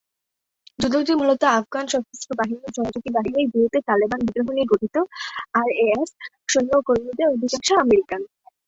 যুদ্ধটি মূলত আফগান সশস্ত্র বাহিনী ও সহযোগী বাহিনীর বিরুদ্ধে তালেবান বিদ্রোহ নিয়ে গঠিত; আইএসএএফ/আরএস সৈন্য ও কর্মীদের অধিকাংশই আমেরিকান।